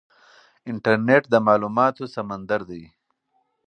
انټرنیټ د معلوماتو سمندر دی.